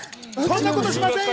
そんなことしません。